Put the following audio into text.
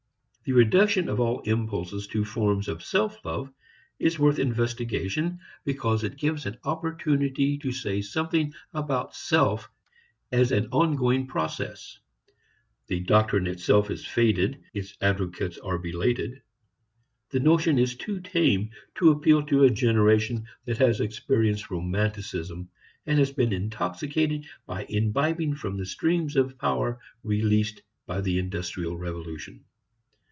The reduction of all impulses to forms of self love is worth investigation because it gives an opportunity to say something about self as an ongoing process. The doctrine itself is faded, its advocates are belated. The notion is too tame to appeal to a generation that has experienced romanticism and has been intoxicated by imbibing from the streams of power released by the industrial revolution.